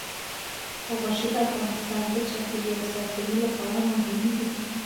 غوښې د افغانستان د چاپیریال ساتنې لپاره مهم دي.